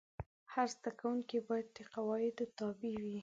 هر زده کوونکی باید د قواعدو تابع وای.